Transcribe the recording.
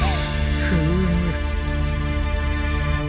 フーム。